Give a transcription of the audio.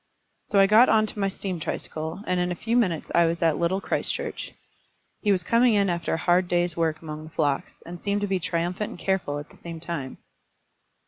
So I got on to my steam tricycle, and in a few minutes I was at Little Christchurch. He was coming in after a hard day's work among the flocks, and seemed to be triumphant and careful at the same time.